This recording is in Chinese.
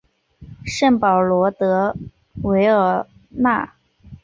圣保罗德韦尔讷。